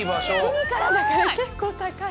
海からだから結構高い。